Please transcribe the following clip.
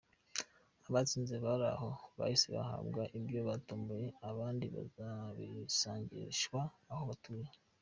Abatsinze bari aho bahise bahabwa ibyo batomboye abandi bazabisangishwa aho batuye.